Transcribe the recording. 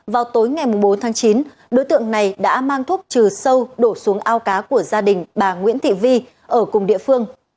vào tối ngày bốn tháng chín đối tượng này đã mang thuốc trừ sâu đổ xuống ao cá của gia đình bà nguyễn thị vi ở cùng địa phương